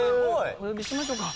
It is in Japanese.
お呼びしましょうか。